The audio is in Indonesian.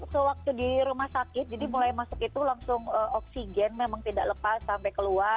sewaktu di rumah sakit jadi mulai masuk itu langsung oksigen memang tidak lepas sampai keluar